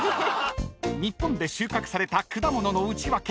［日本で収穫された果物のウチワケ